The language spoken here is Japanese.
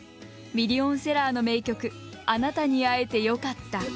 ミリオンセラーの名曲「あなたに会えてよかった」。